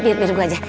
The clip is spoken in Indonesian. biar biar gua aja